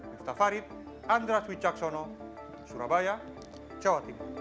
mustafa rid andras wicaksono surabaya jawa timur